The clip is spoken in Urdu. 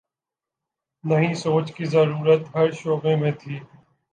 نئی سوچ کی ضرورت ہر شعبے میں تھی۔